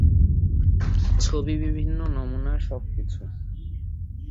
ছবি, বিভিন্ন নমুনা, সবকিছু।